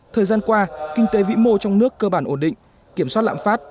thời gian qua kinh tế vĩ mô trong nước cơ bản ổn định kiểm soát lãm phát